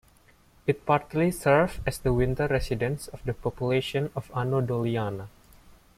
It partly serves as the winter residence of the population of Ano Doliana.